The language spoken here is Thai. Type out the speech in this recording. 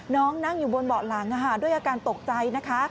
น้องนั้งอยู่บนเบาะหลังด้วยอาการตกใจ